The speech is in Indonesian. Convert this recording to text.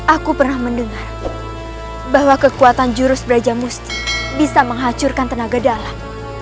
aku pernah mendengar bahwa kekuatan jurus belajar musti bisa menghacurkan tenaga dalam